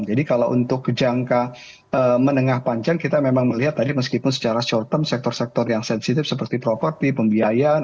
jadi kalau untuk jangka menengah panjang kita memang melihat tadi meskipun secara short term sektor sektor yang sensitif seperti property pembiayaan